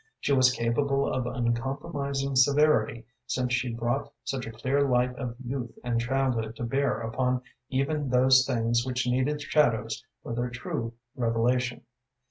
She was capable of uncompromising severity, since she brought such a clear light of youth and childhood to bear upon even those things which needed shadows for their true revelation.